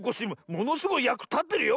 ものすごいやくたってるよ